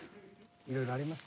いろいろあります。